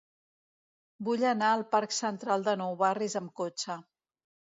Vull anar al parc Central de Nou Barris amb cotxe.